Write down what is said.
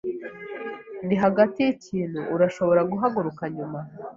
Ndi hagati yikintu. Urashobora kugaruka nyuma?